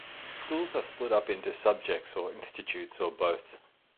Schools are split up into subjects or institutes or both.